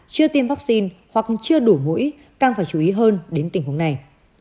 chưa tiêm vaccine hoặc chưa đủ mũi càng phải chú ý hơn đến tình huống này